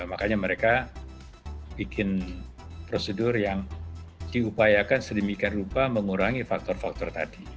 makanya mereka bikin prosedur yang diupayakan sedemikian rupa mengurangi faktor faktor tadi